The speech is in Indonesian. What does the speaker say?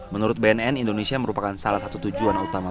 menurut bnn indonesia merupakan salah satu tujuan utama